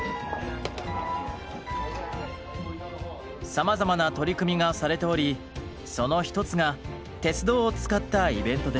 さまざまな取り組みがされておりその一つが鉄道を使ったイベントです。